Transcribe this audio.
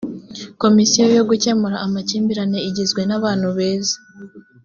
komisiyo yo gukemura amakimbirane igizwe nabantu beza